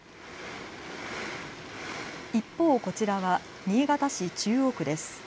一方、こちらは新潟市中央区です。